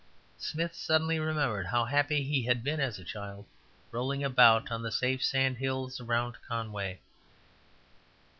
Smith suddenly remembered how happy he had been as a child, rolling about on the safe sandhills around Conway.